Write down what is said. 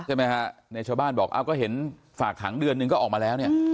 เท่านี้ในชาวบ้านบอกก็เห็นฝากถังเดือนนึงก็ออกมาแล้วเนี่ย